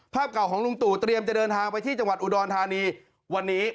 ภาพเก่าของลุงตู่เตรียมจะเดินทางไปที่จังหวัดอุดรธานีวันนี้